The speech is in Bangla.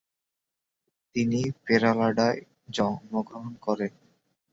তিনি পেরেলাডায় জন্মগ্রহণ করেন।